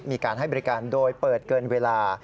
มีการให้บริการโดยเปิดเกินเวลา